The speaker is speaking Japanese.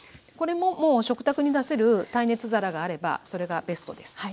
これももう食卓に出せる耐熱皿があればそれがベストです。